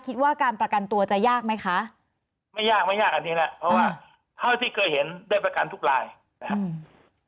คิดว่าการประกันตัวจะยากไหมคะไม่ยากไม่ยากอันนี้แหละเพราะว่าเท่าที่เคยเห็นได้ประกันทุกรายนะครับ